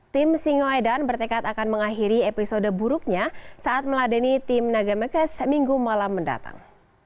tim singoedan bertekad akan mengakhiri episode buruknya saat meladeni tim nagamekas minggu malam mendatang